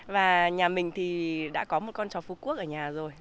và nhà mình thì đã có một con chó phú quốc ở nhà rồi